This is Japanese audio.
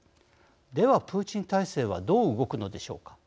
では、プーチン体制はどう動くのでしょうか。